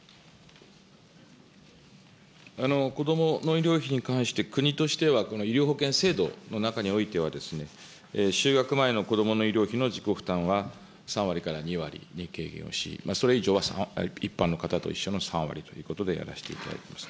こどもの医療費に関して、国としては、医療保険制度の中においては、就学前のこどもの医療費の自己負担は、３割から２割に軽減をし、それ以上は一般の方と一緒の３割ということでやらせていただいております。